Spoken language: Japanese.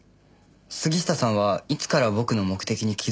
杉下さんはいつから僕の目的に気づいてたんですか？